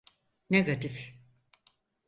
Negatif…